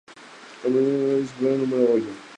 La fuerza rodeada y superada en número huyó.